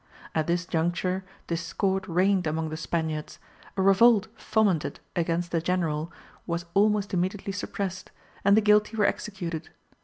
At this juncture, discord reigned among the Spaniards; a revolt fomented against the general was almost immediately suppressed, and the guilty were executed.